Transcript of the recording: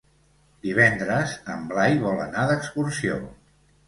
Divendres en Blai vol anar d'excursió.